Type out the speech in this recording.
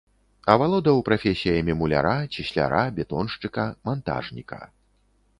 Авалодаў прафесіямі муляра, цесляра, бетоншчыка, мантажніка.